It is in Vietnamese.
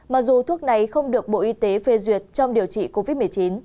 mặc dù thuốc này không được bộ y tế phê duyệt trong điều trị covid một mươi chín